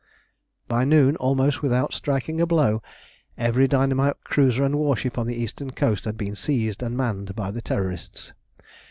By noon, almost without striking a blow, every dynamite cruiser and warship on the eastern coast had been seized and manned by the Terrorists.